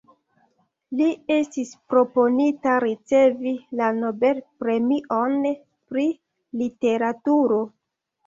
Li estis proponita ricevi la Nobel-premion pri literaturo.